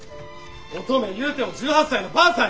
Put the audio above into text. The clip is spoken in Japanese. オトメ言うても１８歳のばあさんや！